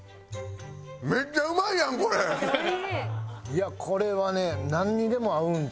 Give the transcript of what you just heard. いやこれはねなんにでも合う。